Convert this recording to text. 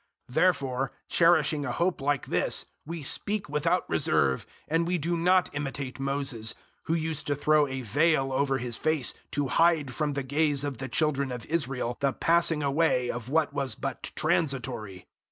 003:012 Therefore, cherishing a hope like this, we speak without reserve, and we do not imitate Moses, 003:013 who used to throw a veil over his face to hide from the gaze of the children of Israel the passing away of what was but transitory.